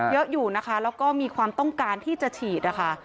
เยอะอยู่นะคะแล้วก็มีความต้องการที่จะฉีดนะคะ